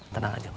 tenang aja wak